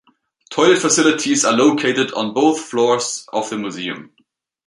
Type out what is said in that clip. Toilet facilities are located on both floors of the museum.